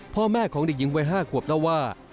พ่อแม่ของเด็กหญิงวัย๕ขวบเล่าว่า